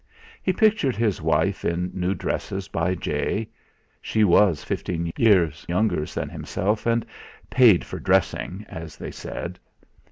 He pictured his wife in new dresses by Jay she was fifteen years younger than himself, and "paid for dressing" as they said.